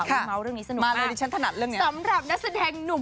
ค่ะมาเลยดิฉันถนัดเรื่องนี้สนุกมากสำหรับนักแสดงหนุ่ม